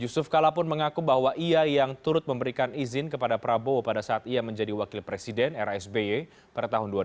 yusuf kala pun mengaku bahwa ia yang turut memberikan izin kepada prabowo pada saat ia menjadi wakil presiden era sby pada tahun dua ribu empat